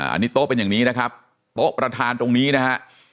อันนี้โต๊ะเป็นอย่างนี้นะครับโต๊ะประธานตรงนี้นะฮะ